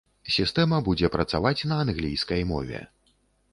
Сістэма будзе працаваць на англійскай мове.